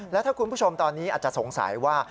แล้วถ้าคุณผู้ชมตอนนี้อาจจะสงสัยว่า